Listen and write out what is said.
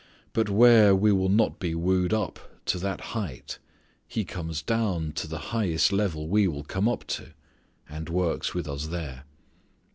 But where we will not be wooed up to that height, He comes down to the highest level we will come up to, and works with us there.